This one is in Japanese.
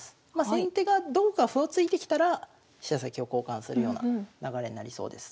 先手がどこか歩を突いてきたら飛車先を交換するような流れになりそうです。